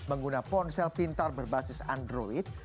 pengguna ponsel pintar berbasis android